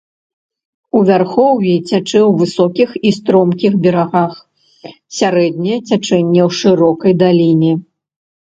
У вярхоўі цячэ ў высокіх і стромкіх берагах, сярэдняе цячэнне ў шырокай даліне.